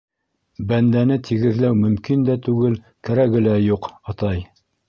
Бәндәне тигеҙләү мөмкин дә түгел, кәрәге лә юҡ, атай!